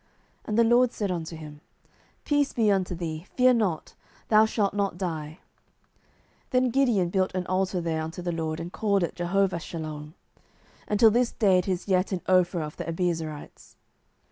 07:006:023 And the LORD said unto him, Peace be unto thee; fear not: thou shalt not die. 07:006:024 Then Gideon built an altar there unto the LORD, and called it Jehovahshalom: unto this day it is yet in Ophrah of the Abiezrites.